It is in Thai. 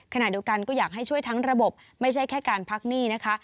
ขณะเดียวกันก็อยากให้ช่วยทั้งระบบไม่ใช่แค่การพักหนี้นะคะ